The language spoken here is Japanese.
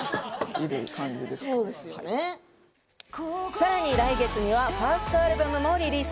さらに来月にはファーストアルバムもリリース。